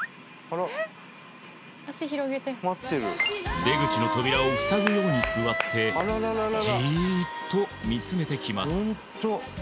脚広げて待ってる出口の扉を塞ぐように座ってじっと見つめてきます